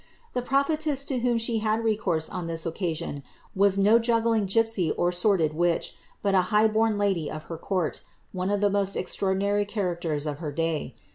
The prophetess to whom she had recourse on this occasion was no juggling gipsy or sordid witch, but a high born lady of her court, — one of the most extraordinary characters of her day.